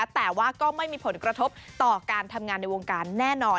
แต่ว่าก็ไม่มีผลกระทบต่อการทำงานในวงการแน่นอน